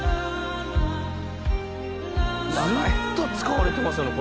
「ずっと使われてますよね